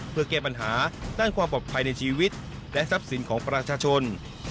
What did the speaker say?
เพื่อแก้ปัญหาด้านความปลอดภัยในชีวิตและทรัพย์สินของประชาชน